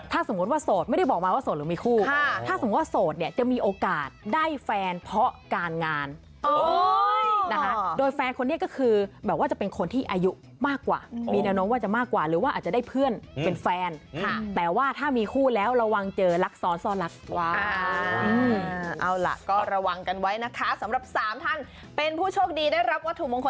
แต่ว่าทีเด็ดคืออยู่ที่ความรัก